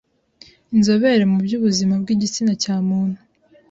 Inzobere mu by’ubuzima bw’igitsina cya muntu